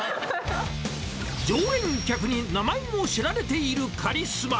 常連客に名前を知られているカリスマ。